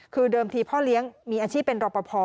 คือเดิมทีพ่อเลี้ยงมีอาชีพเป็นรอปภ